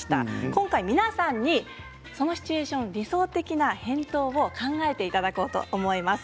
今回、皆さんにそのシチュエーション理想的な返答を考えていただこうと思います。